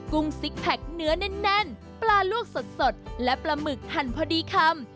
ุ้งซิกแพคเนื้อแน่นปลาลวกสดและปลาหมึกหั่นพอดีคำ